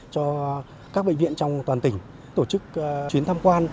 cho các bệnh viện trong toàn tỉnh tổ chức chuyến thăm quan